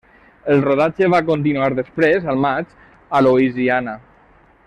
El rodatge va continuar després al maig a Louisiana.